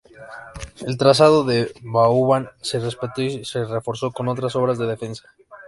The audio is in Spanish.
El trazado de Vauban se respetó y reforzó con otras obras de defensa.